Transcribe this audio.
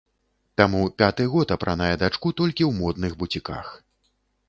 Таму пяты год апранае дачку толькі ў модных буціках.